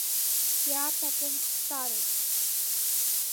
Сиарҭа ҟәымӷԥсароуп.